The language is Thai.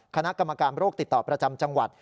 คณะกรรมการโรคติดต่อประจำจังหวัด